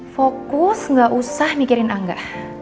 fokus gak usah mikirin angga